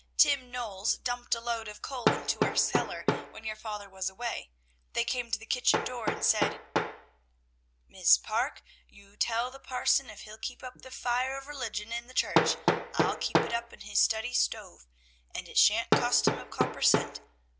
Tim Knowles dumped a load of coal into our cellar when your father was away, then came to the kitchen door and said, "'Mis' Parke, you tell the parson if he'll keep up the fire of religion in the church, I'll keep it up in his study stove, and it sha'n't cost him a copper cent.